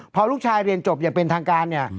พอลูกชายเรียนจบอย่างเป็นทางการเนี่ย